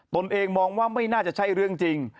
ตนเองมองว่าไม่น่าจะใช่เรื่องจริง